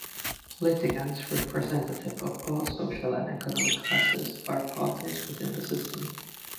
Litigants representative of all social and economic classes are parties within the system.